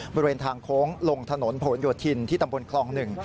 บริเวณทางโค้งลงถนนพะหวนโยธินที่ตำบลคลองหนึ่ง